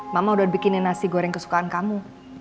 mama udah bikinin nasi goreng kesukaan kamu